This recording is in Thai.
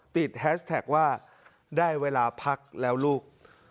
แฮชแท็กว่าได้เวลาพักแล้วลูก